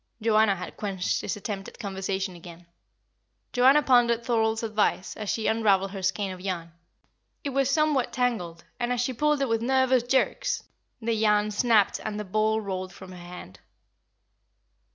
Joanna had quenched his attempt at conversation again. Joanna pondered Thorold's advice as she unravelled her skein of yarn; it was somewhat tangled, and as she pulled it with nervous jerks, the yarn snapped and the ball rolled from her hand.